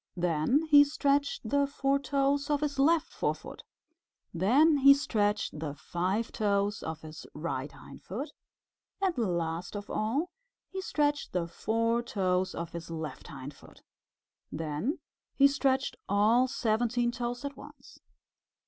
Then he stretched the four toes of his left forefoot. Next he stretched the five toes of his right hindfoot. And last of all he stretched the four toes of his left hindfoot. Then he stretched all seventeen toes at once.